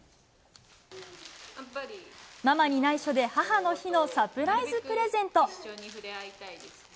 ママにないしょで母の日のサプライズプレゼント。